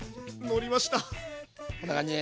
のりました！